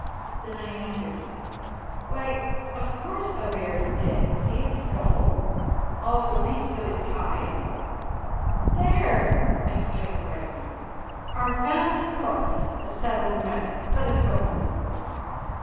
Then I answered, "Why, of course, a bear is dead; see its skull, also pieces of its hide?" "There!" exclaimed Ragnar. "Our family prophet has settled the matter. Let us go home."